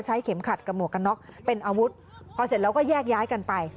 เข็มขัดกับหมวกกันน็อกเป็นอาวุธพอเสร็จแล้วก็แยกย้ายกันไป